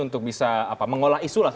untuk bisa mengolah isu lah